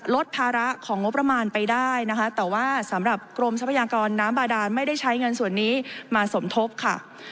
ลดภาระของงบประมาณไปได้นะคะแต่ว่าสำหรับกรมทรัพยากรน้ำบาดานไม่ได้ใช้เงินส่วนนี้มาสมทบค่ะ